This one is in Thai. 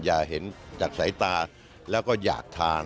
เห็นจากสายตาแล้วก็อยากทาน